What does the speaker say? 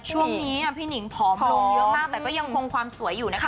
ช่วงนี้พี่หนิงผอมลงเยอะมากแต่ก็ยังคงความสวยอยู่นะคะ